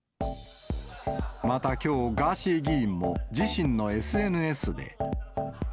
またきょう、ガーシー議員も自身のＳＮＳで。